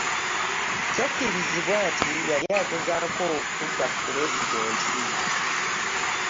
Kyakkirizibwa nti yali agezaako kutta Pulezidenti.